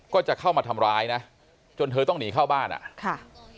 ก็จะเข้ามาทำร้ายนะจนเธอต้องหนีเข้าบ้านอ่ะค่ะ